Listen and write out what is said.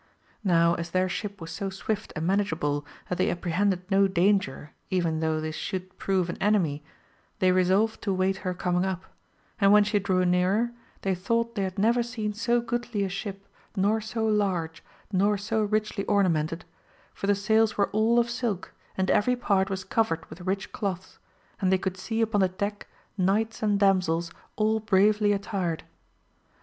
Now as their ship was so swift and manageable that they apprehended no danger even though this should prove an enemy they resolved to wait her coming up, and when she drew nearer, they thought they had never seen so goodly a ship, nor so large, nor so richly ornamented, for the sails were all of silk and every part was covered with rich cloths, and they could see upon the deck knights and damsels all bravely attired.